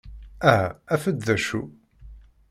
Aha af-d d acu!